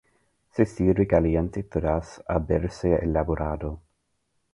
Se sirve caliente tras haberse elaborado.